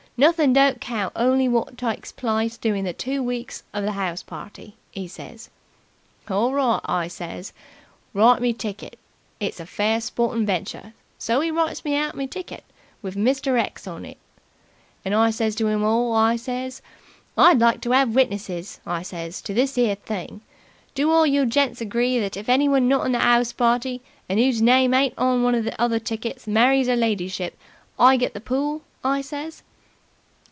Nothin' don't count only wot tikes plice during the two weeks of the 'ouse party,' 'e says. 'Orl right,' I says. 'Write me ticket. It's a fair sportin' venture.' So 'e writes me out me ticket, with 'Mr. X.' on it, and I says to them all, I says, 'I'd like to 'ave witnesses', I says, 'to this 'ere thing. Do all you gents agree that if anyone not in the 'ouse party and 'oo's name ain't on one of the other tickets marries 'er lidyship, I get the pool?' I says.